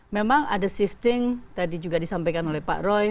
memang ada shifting tadi juga disampaikan oleh pak roy